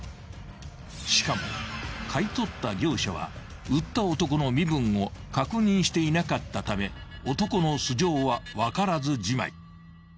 ［しかも買い取った業者は売った男の身分を確認していなかったため男の素性は分からずじまい］